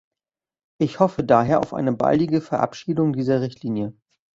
Ich hoffe daher auf eine baldige Verabschiedung dieser Richtlinie.